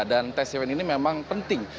dan tes event ini memang penting